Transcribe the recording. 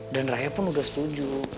dan raya pun udah setuju